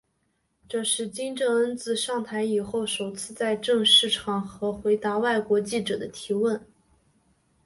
这是金正恩自上台以后首次在正式场合回答外国记者的提问。